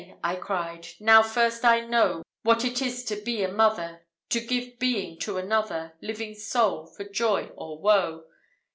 I cried; "now first I know What it is to be a mother, To give being to another Living soul, for joy or woe.